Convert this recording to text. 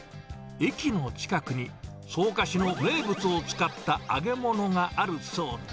駅の近くに草加市の名物を使った揚げ物があるそうで。